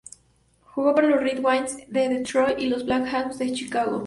Jugó para los Red Wings de Detroit y los Black Hawks de Chicago.